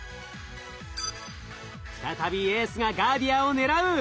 再びエースがガーディアンを狙う。